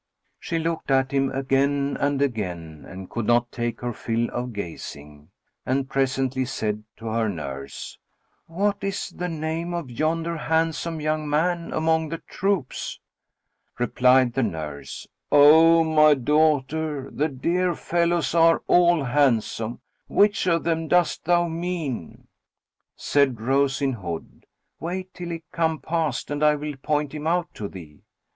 She looked at him again and again and could not take her fill of gazing; and presently said to her nurse, "What is the name of yonder handsome young man among the troops?" Replied the nurse, "O my daughter, the dear fellows are all handsome. Which of them dost thou mean?" Said Rose in Hood, "Wait till he come past and I will point him out to thee."